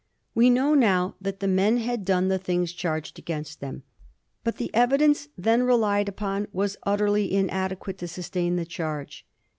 We know now that the men had done the things charged against them, but the evidence then relied upon was utterly inadequate to sustain the charge.